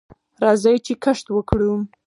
راځئ چې کښت وکړو.